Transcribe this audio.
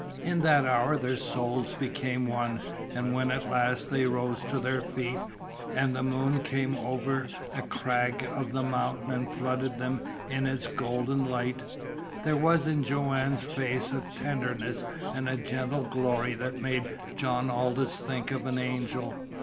In that hour their souls became one, and when at last they rose to their feet, and the moon came up over a crag of the mountain and flooded them in its golden light, there was in Joanne's face a tenderness and a gentle glory that made John Aldous think of an angel.